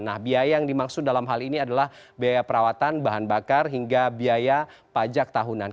nah biaya yang dimaksud dalam hal ini adalah biaya perawatan bahan bakar hingga biaya pajak tahunan